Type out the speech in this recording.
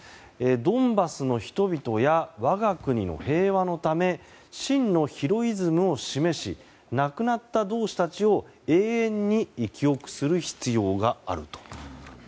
ドンバスの人々や我が国の平和のため真のヒロイズムを示し亡くなった同志たちを永遠に記憶する必要があると。